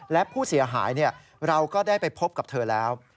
และผู้เสียหายเราก็ได้ไปพบกับเธอแล้ว